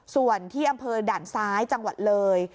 ส่วนที่อำเภอด่านซ้ายจังหวัดเลย